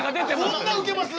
こんなウケます？